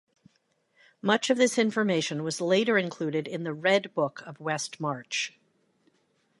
Much of this information was later included in the "Red Book of Westmarch".